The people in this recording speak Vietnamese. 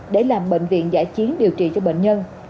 để làm bệnh viện giải chiến điều trị cho bệnh nhân